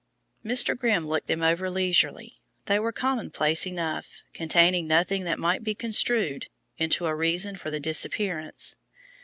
Mr. Grimm looked them over leisurely. They were commonplace enough, containing nothing that might be construed into a reason for the disappearance.